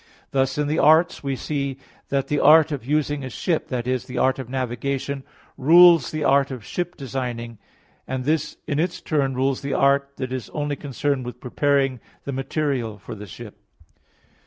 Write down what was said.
Thus in the arts we see that the art of using a ship, i.e. the art of navigation, rules the art of ship designing; and this in its turn rules the art that is only concerned with preparing the material for the ship.